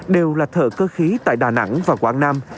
đều là thợ cơ khí tại đà nẵng và quảng nam